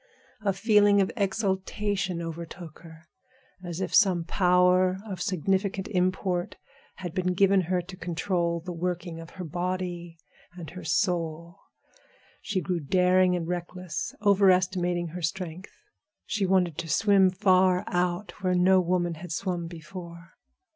A feeling of exultation overtook her, as if some power of significant import had been given her to control the working of her body and her soul. She grew daring and reckless, overestimating her strength. She wanted to swim far out, where no woman had swum before.